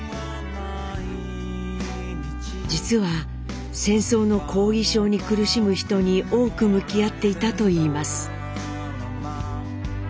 実は戦争の後遺症に苦しむ人に多く向き合っていたといいます。